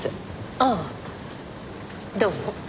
ああどうも。